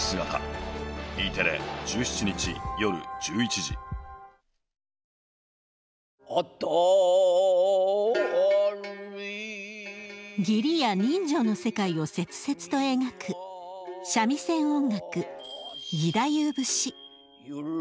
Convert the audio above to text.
辺り義理や人情の世界を切々と描く三味線音楽義太夫節。